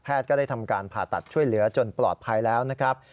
ก็ได้ทำการผ่าตัดช่วยเหลือจนปลอดภัยแล้วนะครับ